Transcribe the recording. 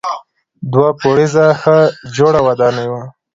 دوه پوړیزه ښه جوړه ودانۍ وه.